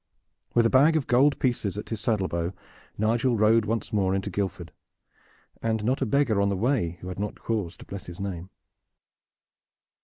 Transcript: With a bag of gold pieces at his saddle bow Nigel rode once more into Guildford, and not a beggar on the way who had not cause to bless his name.